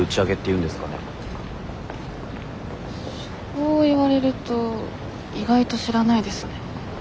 そう言われると意外と知らないですね。